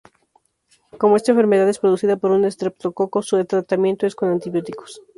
Como esta enfermedad es producida por un estreptococo, su tratamiento es con antibióticos.